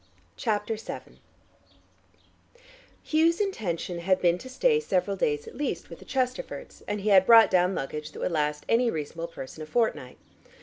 CHAPTER VII Hugh's intention had been to stay several days, at the least, with the Chesterfords, and he had brought down luggage that would last any reasonable person a fortnight.